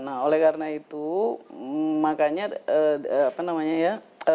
nah oleh karena itu makanya apa namanya ya